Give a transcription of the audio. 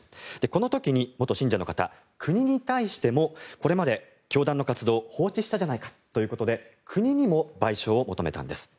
この時に元信者の方国に対してもこれまで教団の活動を放置したじゃないかということで国にも賠償を求めたんです。